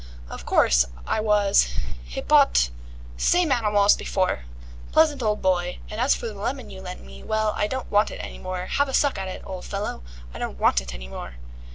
"Of course, I was. Hippot same animal as before. Pleasant old boy. And as for the lemon you lent me, well, I don't want it any more. Have a suck at it, ole fellow! I don't want it any more."